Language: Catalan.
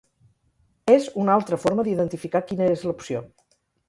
és una altra forma d'identificar quina és l'opció